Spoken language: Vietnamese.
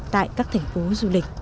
tại các thành phố du lịch